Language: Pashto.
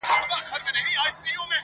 د شېخانو د ټگانو، د محل جنکۍ واوره~